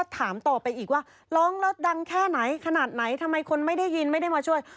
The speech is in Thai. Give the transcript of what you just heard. ทำไมคนไม่ได้ยินไม่ได้มาช่วย